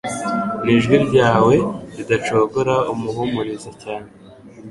Nijwi ryawe ridacogora umuhumurize cyane